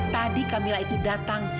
tadi kamila itu datang